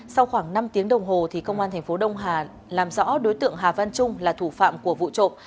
sau khoảng năm tiếng đồng hồ công an thành phố đông hà làm rõ đối tượng hà văn trung là thủ phạm của vụ trộm